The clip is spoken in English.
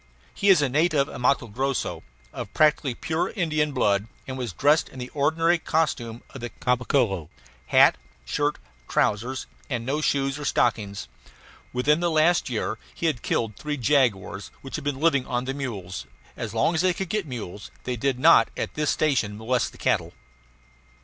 He is a native of Matto Grosso, of practically pure Indian blood, and was dressed in the ordinary costume of the Caboclo hat, shirt, trousers, and no shoes or stockings. Within the last year he had killed three jaguars, which had been living on the mules; as long as they could get mules they did not at this station molest the cattle.